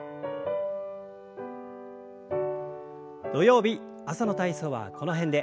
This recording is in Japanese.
土曜日朝の体操はこの辺で。